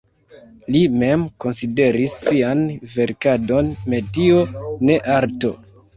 Li mem konsideris sian verkadon metio, ne arto.